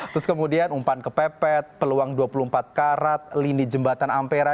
terus kemudian umpan kepepet peluang dua puluh empat karat lini jembatan ampera